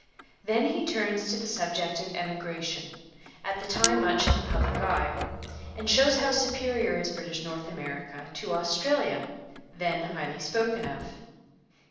Then he turns to the subject of emigration, at the time much in the public eye, and shows how superior is British North America to Australia, then highly spoken of.